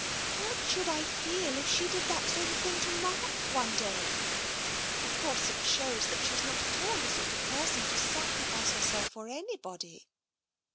What should I feel if she did that sort of thing to Mark one day? Of course, it a 176 TENSION shows that she's not at all the sort of person to sacrifice herself for anybody."